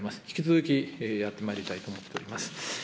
引き続き、やってまいりたいと思っております。